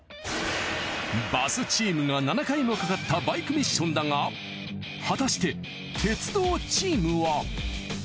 バスチームが７回もかかったバイクミッションだが果たして鉄道チームは。